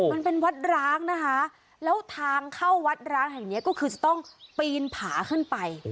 มันเป็นวัดร้างนะคะแล้วทางเข้าวัดร้างแห่งนี้ก็คือจะต้องปีนผาขึ้นไป